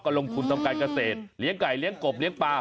กระลงภูมิทำการเกษตรเหลี้ยงไก่เหลี้ยงกบเหลี้ยงปลา